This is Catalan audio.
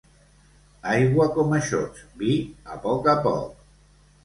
Aigua com a xots, vi a poc a poc.